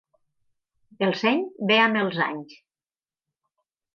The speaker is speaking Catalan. El seny ve amb els anys.